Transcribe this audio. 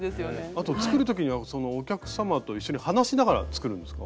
あと作るときにはお客様と一緒に話しながら作るんですか？